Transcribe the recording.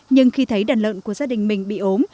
nhưng khi thấy đàn lợn của gia đình mình bị ốm